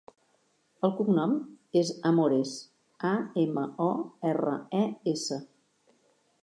El cognom és Amores: a, ema, o, erra, e, essa.